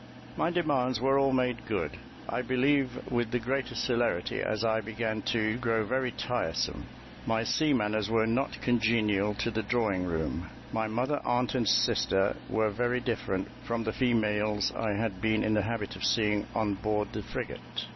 My demands were all made good. I believe with the greater celerity, as I began to grow very tiresome; my sea manners were not congenial to the drawing room. My mother, aunt, and sister, were very different from the females I had been in the habit of seeing on board the frigate.